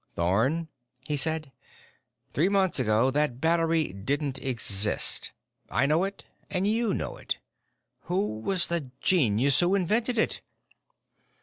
"Thorn," he said, "three months ago that battery didn't exist. I know it and you know it. Who was the genius who invented it?"